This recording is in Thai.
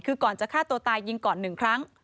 คือก่อนจะฆ่าตัวตายยิงก่อน๑ครั้ง